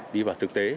đi vào thực tế